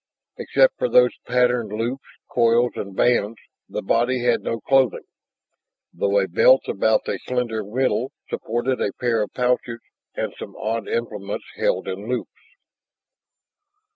Except for those patterned loops, coils, and bands, the body had no clothing, though a belt about the slender middle supported a pair of pouches and some odd implements held in loops.